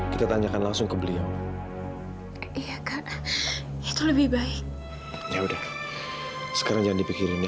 kita tanyakan langsung ke beliau iya itu lebih baik ya udah sekarang jadi pikirnya